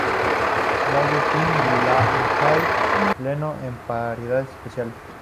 Larry King y Jay Leno en apariciones especiales.